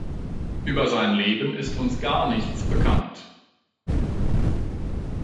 Über sein Leben ist uns gar nichts bekannt.